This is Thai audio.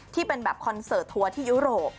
ที่เป็นแบบคอนเสิร์ตทัวร์ที่ยุโรป